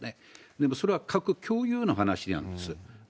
でも、それは各共有の話なんです。